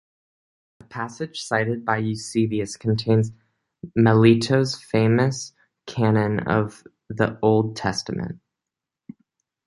A passage cited by Eusebius contains Melito's famous canon of the Old Testament.